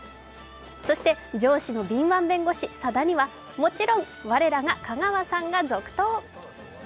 そして上司の敏腕弁護士、佐田にはもちろん我らが香川さんが続投。